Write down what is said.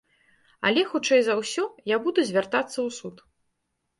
Але, хутчэй за ўсё, я буду звяртацца ў суд.